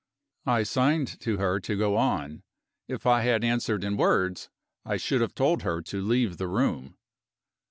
I signed to her to go on. If I had answered in words, I should have told her to leave the room.